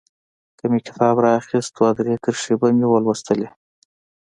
که مې کتاب رااخيست دوه درې کرښې به مې ولوستلې.